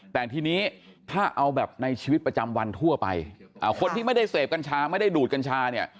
แต่ทีนี้ถ้าเอาแบบในชีวิตประจำวันทั่วไปคนที่ไม่ได้เสพกัญชาไม่ได้ดูดกัญชาเนี่ย